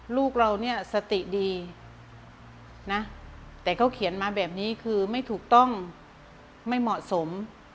ลูกเราเนี่ยสติดีนะแต่เขาเขียนมาแบบนี้คือไม่ถูกต้องไม่เหมาะสม